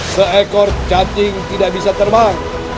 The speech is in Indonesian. seekor cacing tidak bisa terbang